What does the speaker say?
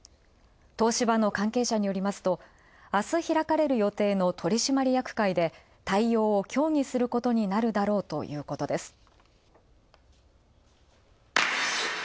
東芝の関係者によりますと明日開かれる予定の取締役会で対応を協議することになるだろうとのことです。